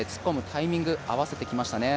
タイミング合わせてきましたね。